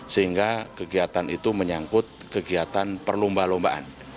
sehingga kegiatan itu menyangkut kegiatan perlomba lombaan